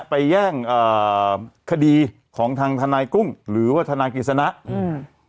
แย่งเอ่อคดีของทางทนายกุ้งหรือว่าทนายกฤษณะอืม